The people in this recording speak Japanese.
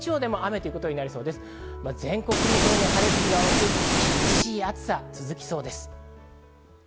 全国的に晴れる日が多く、厳しい暑さが続きそうです。